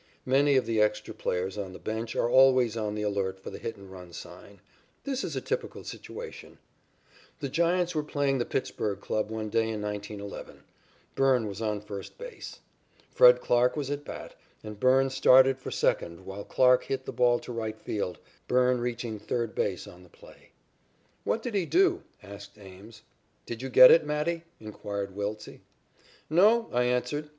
Many of the extra players on the bench are always on the alert for the hit and run sign. This is a typical situation: The Giants were playing the Pittsburg club one day in 1911. Byrne was on first base. Fred Clarke was at bat and Byrne started for second while Clarke hit the ball to right field, Byrne reaching third base on the play. "What did he do?" asked Ames. "Did you get it, Matty?" inquired Wiltse. "No," I answered.